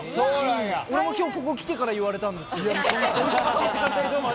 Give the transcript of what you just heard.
俺も今日ここに来てから言われたんですけど。